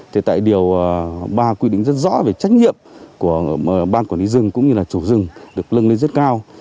thì tại điều ba quy định rất rõ về trách nhiệm của ban quản lý rừng cũng như là chủ rừng được lân lên rất cao